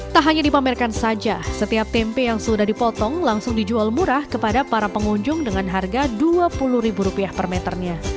tak hanya dipamerkan saja setiap tempe yang sudah dipotong langsung dijual murah kepada para pengunjung dengan harga rp dua puluh per meternya